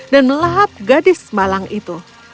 dan melahap gadis malang itu